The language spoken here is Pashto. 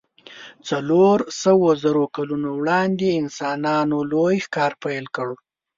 څلور سوو زرو کلونو وړاندې انسانانو لوی ښکار پیل کړ.